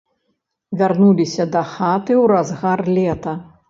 Вярнуліся дахаты ў разгар лета.